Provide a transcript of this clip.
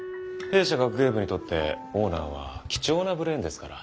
弊社学芸部にとってオーナーは貴重なブレーンですから。